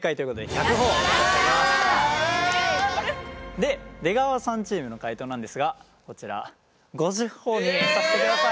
で出川さんチームの解答なんですがこちら５０ほぉにさせてください。